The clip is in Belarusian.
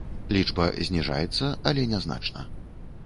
Лічба зніжаецца, але нязначна.